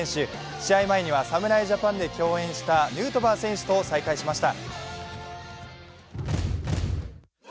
試合前には侍ジャパンで競演したヌートバー選手と再会しました。